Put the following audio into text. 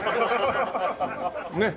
ねっ。